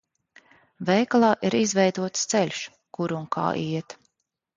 Veikalā ir izveidots ceļš, kur un kā iet.